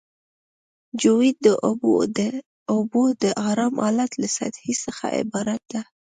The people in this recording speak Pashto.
جیوئید د اوبو د ارام حالت له سطحې څخه عبارت ده